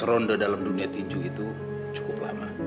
dua belas ronde dalam dunia tinju itu cukup lama